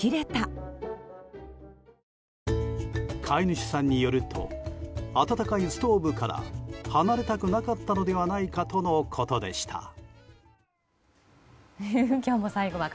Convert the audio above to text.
飼い主さんによると暖かいストーブから離れたくなかったのではないかとのことでした。